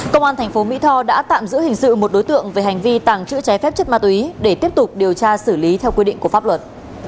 công an tp mỹ tho đã tạm giữ hình sự một đối tượng về hành vi tàng trữ trái phép chất ma túy để tiếp tục điều tra xử lý theo quy định của pháp luật